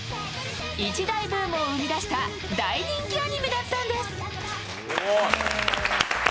一大ブームを生み出した大人気アニメだったんです。